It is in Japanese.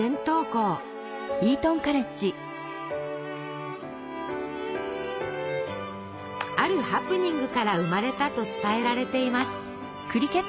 あるハプニングから生まれたと伝えられています。